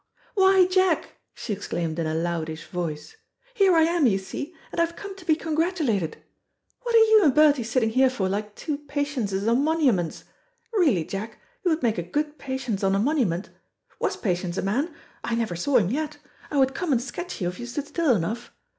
"Why, Jack," she exclaimed in a loudish voice, "here I am, you see, and I have come to be congratulated! What are you and Bertie sitting here for like two Patiences on monuments? Really, Jack, you would make a good Patience on a monument. "Was Patience a man? I never saw him yet. I would come and sketch you if you stood still enough.